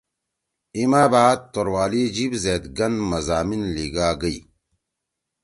ای ما بعد توروالی جیِب زید گن مضامین لیِگا گئی۔